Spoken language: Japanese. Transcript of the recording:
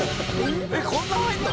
えっこんな入るの？